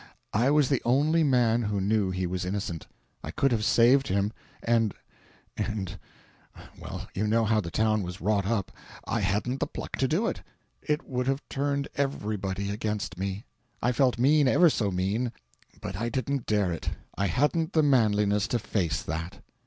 I was the only man who knew he was innocent. I could have saved him, and and well, you know how the town was wrought up I hadn't the pluck to do it. It would have turned everybody against me. I felt mean, ever so mean; but I didn't dare; I hadn't the manliness to face that."